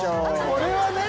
これはね